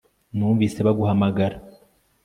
Numvise baguhamagara